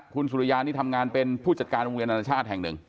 คุณสุริยานี่ทำงานเป็นผู้จัดการโรงเรียนอนาชาติแห่งหนึ่ง